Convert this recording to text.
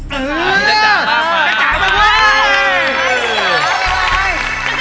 ค่ะเฐรี่ถากด้วย